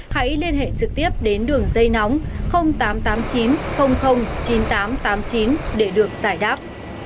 hãy liên hệ trực tiếp đến đường dây nóng tám trăm tám mươi chín chín nghìn tám trăm tám mươi chín để được giải đáp